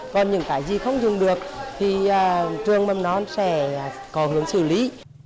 còn những cái gì không dung được thì trường mâm nó sẽ có hướng xử lý